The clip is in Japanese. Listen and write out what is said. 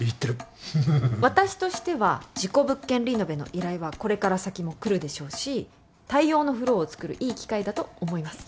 私としては事故物件リノベの依頼はこれから先も来るでしょうし対応のフローを作るいい機会だと思います。